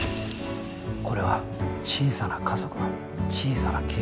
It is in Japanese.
これは小さな家族の小さなケースです。